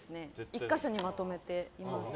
１か所にまとめてます。